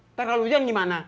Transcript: ntar lalu ujian gimana